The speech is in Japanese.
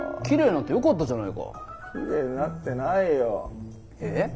きれいになってよかったじゃないか。